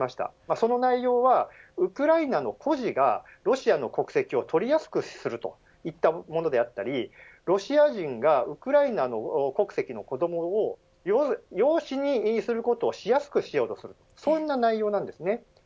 その内容は、ウクライナの孤児がロシアの国籍を取りやすくするといったものであったりロシア人がウクライナの国籍の子どもを養子にすることをしやすくしようとするというような内容です。